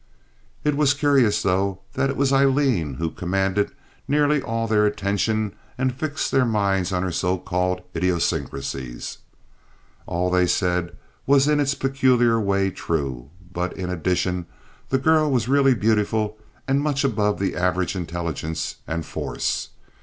It was curious, though, that it was Aileen who commanded nearly all their attention and fixed their minds on her so called idiosyncrasies. All they said was in its peculiar way true; but in addition the girl was really beautiful and much above the average intelligence and force.